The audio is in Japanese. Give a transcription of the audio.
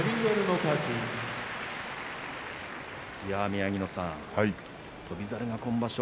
宮城野さん、翔猿が今場所